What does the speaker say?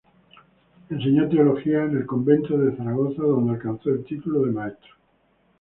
Enseñó Teología en el convento de Zaragoza, donde alcanzó el título de maestro.